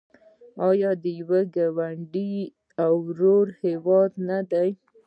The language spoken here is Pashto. آیا د یو ګاونډي او ورور هیواد نه دی؟